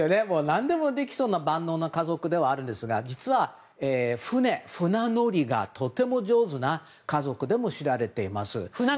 何でもできそうな万能な家族ではあるんですが実は、船乗りがとても上手な家族でも知られています。